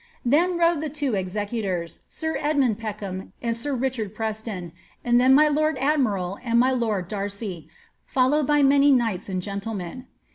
Then rode the two executors, sir Edmuiid *eckham and sir Richard Preston, and then my lord admiral and mj lord Darcy, followed by many knights and gentlemen.